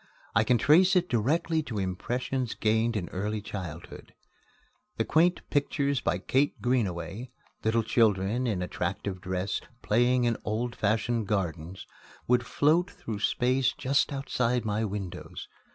I can trace it directly to impressions gained in early childhood. The quaint pictures by Kate Greenaway little children in attractive dress, playing in old fashioned gardens would float through space just outside my windows.